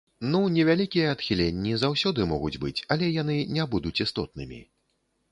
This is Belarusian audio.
Ну, невялікія адхіленні заўсёды могуць быць, але яны не будуць істотнымі.